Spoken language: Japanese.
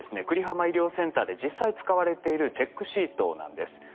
久里浜医療センターで実際使われているチェックシートなんです。